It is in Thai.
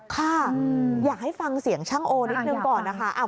ค่ะอยากให้ฟังเสียงช่างโอนิดนึงก่อนนะคะ